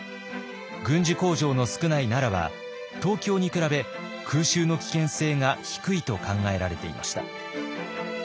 軍需工場の少ない奈良は東京に比べ空襲の危険性が低いと考えられていました。